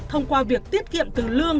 thông qua việc tiết kiệm từ lương